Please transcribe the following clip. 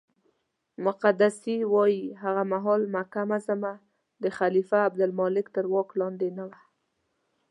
مقدسي وایي هغه مهال مکه معظمه د خلیفه عبدالملک تر واک لاندې نه وه.